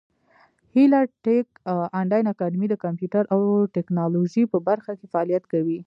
هیله ټېک انلاین اکاډمي د کامپیوټر او ټبکنالوژۍ په برخه کې فعالیت کوي.